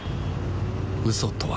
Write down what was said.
嘘とは